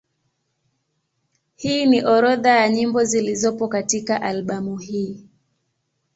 Hii ni orodha ya nyimbo zilizopo katika albamu hii.